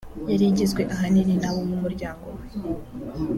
yari igizwe ahanini n’abo mu muryango we